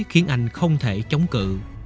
khiến anh không thể chống cự